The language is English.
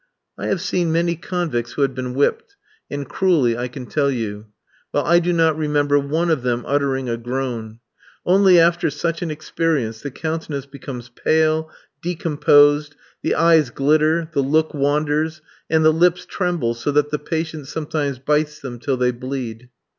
I have seen many convicts who had been whipped, and cruelly, I can tell you. Well, I do not remember one of them uttering a groan. Only after such an experience, the countenance becomes pale, decomposed, the eyes glitter, the look wanders, and the lips tremble so that the patient sometimes bites them till they bleed.